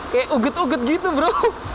kayak ugut ugut gitu bro